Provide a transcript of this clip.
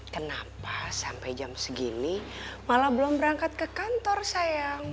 kenapa sampai jam segini malah belum berangkat ke kantor saya